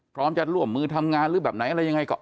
พร้อมจะร่วมมือทำงานหรือแบบไหนอะไรยังไง